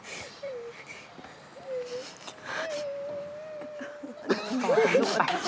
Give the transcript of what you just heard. ครับ